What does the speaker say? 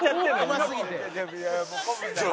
「うますぎて」